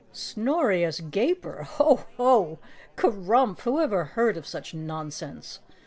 "Snorious Gaper! Ho, Ho! kerumph! Who ever heard of such nonsense?"